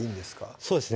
そうですね